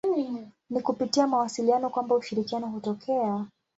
Ni kupitia mawasiliano kwamba ushirikiano hutokea.